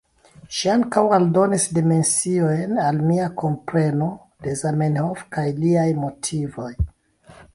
Ŝi ankaŭ aldonis dimensiojn al mia kompreno de Zamenhof kaj liaj motivoj.